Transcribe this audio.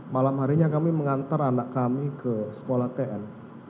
malam harinya kami mengantar anak kami ke sekolah tn